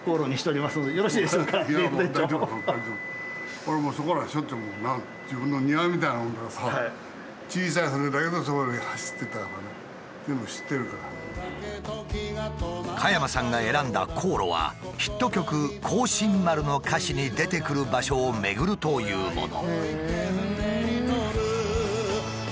俺もそこらはしょっちゅう加山さんが選んだ航路はヒット曲「光進丸」の歌詞に出てくる場所を巡るというもの。